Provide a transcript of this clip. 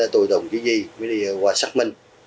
tôi tổng chí di mới đi qua xác minh